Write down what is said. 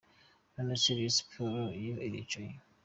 None se Rayon Sports yo iricaye?.